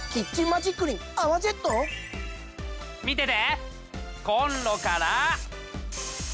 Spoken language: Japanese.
見てて！